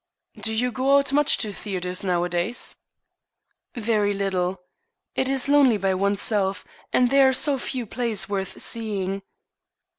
"Do you go out much to theatres, nowadays?" "Very little. It is lonely by oneself, and there are so few plays worth seeing."